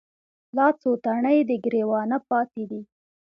لا څــــو تڼۍ د ګــــــرېوانه پاتـې دي